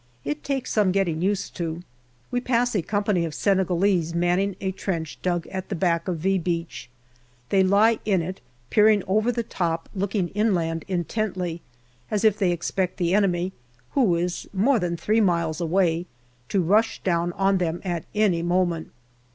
It takes some getting used to. We pass a company of Senegalese manning a trench dug at the back of " V " Beach. They lie in it, peering over the top, looking inland intently, as if they expect the enemy, who is more than three miles away, to rush down on them at any moment.